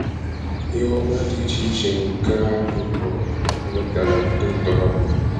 ihe ọma dị iche iche nke ahụ pụrụ iwètàrà ndị ntorobịa